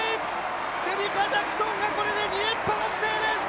シェリカ・ジャクソンがこれで２連覇達成です！